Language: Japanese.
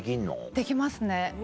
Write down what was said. できますね。